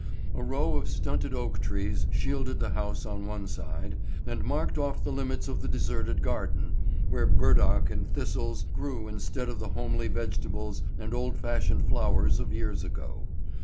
A row of stunted oak trees shielded the house on one side, and marked off the limits of the deserted garden, where burdock and thistles grew instead of the homely vegetables and old fashioned flowers of years ago.